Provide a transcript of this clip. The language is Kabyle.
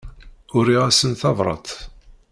Uriɣ-asen tabrat.